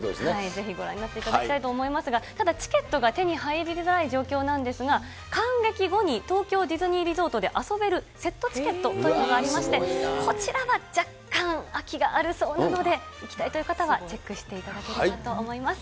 ぜひご覧になっていただきたいと思いますが、ただ、チケットが手に入りづらい状況なんですが、観劇後に東京ディズニーリゾートで遊べるセットチケットというのがありまして、そちらが若干、空きがあるそうなので、行きたいという方はチェックしていただければと思います。